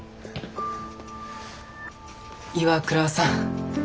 岩倉さん